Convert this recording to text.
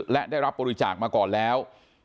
และได้รับบริจาคมาก่อนแล้ว